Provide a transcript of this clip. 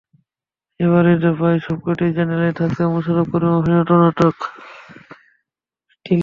এবার ঈদে প্রায় সবকটি চ্যানেলেই থাকছে মোশাররফ করিম অভিনীত নাটক, টেলিছবি।